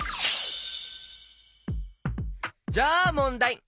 じゃあもんだい！